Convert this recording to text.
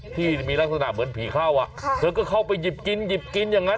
ที่มีลักษณะเหมือนผีเข้าเธอก็เข้าไปหยิบกินหยิบกินอย่างนั้น